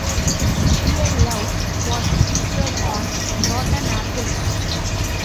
"Real Love" was featured on "Rotten Apples".